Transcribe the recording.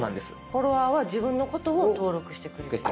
フォロワーは自分のことを登録してくれてる人。